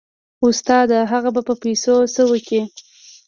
استاده هغه به په پيسو څه وكي.